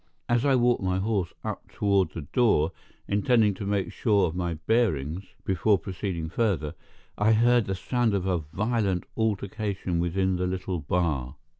As I walked my horse up toward the door, intending to make sure of my bearings before proceeding further, I heard the sound of a violent altercation within the little bar.